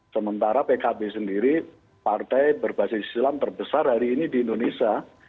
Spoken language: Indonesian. sementara pkb sendiri partai berbasis islam terbesar hari ini di indonesia